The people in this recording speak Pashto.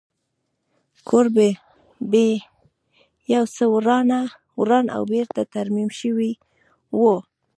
کور یې یو څه وران او بېرته ترمیم شوی و